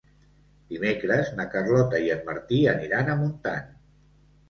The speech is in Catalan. Dimecres na Carlota i en Martí aniran a Montant.